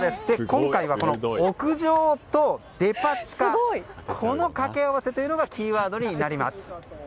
今回は屋上とデパ地下この掛け合わせというのがキーワードになります。